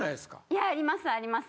いやありますあります。